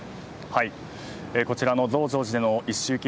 こちらの増上寺での一周忌